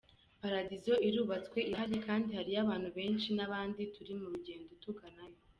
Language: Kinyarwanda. Paradizo irubatswe irahari kandi hariyo abantu benshi, n’abandi turi mu rugendo tuganayo.